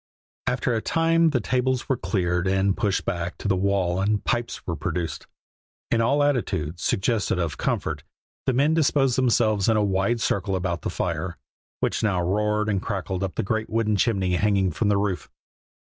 After a time the tables were cleared and pushed back to the wall and pipes were produced. In all attitudes suggestive of comfort the men disposed themselves in a wide circle about the fire, which now roared and crackled up the great wooden chimney hanging from the roof.